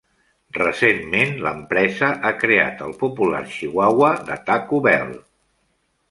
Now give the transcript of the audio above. Recentment, l'empresa ha creat el popular chihuahua de Taco Bell.